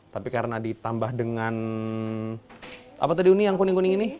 tapi karena ditambah dengan apa tadi uni yang kuning kuning ini